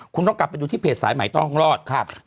คุณต้องกลับไปดูที่เพจสายใหม่ต้องรอด